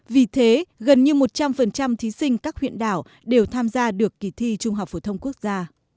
vì thế gần như một trăm linh thí sinh các huyện đảo đều tham gia được kỳ thi trung học phổ thông quốc gia